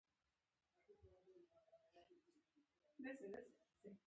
راز محمد راز په پښین کې زېږېدلی دی